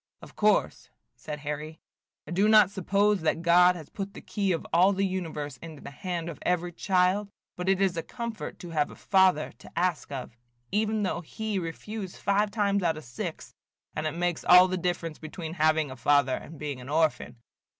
"Of course," said Harry, "I do not suppose that God has put the key of all the universe into the hand of every child; but it is a comfort to have a Father to ask of, even though he refuse five times out of six, and it makes all the difference between having a father and being an orphan.